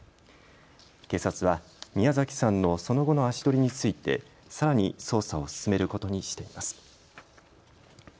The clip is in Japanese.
警察は宮崎さんのその後の足取りについてさらに捜査を進めることにしています。